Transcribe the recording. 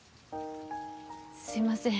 すいません。